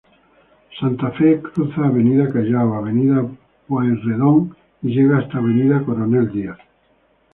Santa Fe, cruza Avenida Callao, Avenida Pueyrredón, y llega hasta Avenida Coronel Díaz.